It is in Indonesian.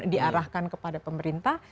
diarahkan kepada pemerintah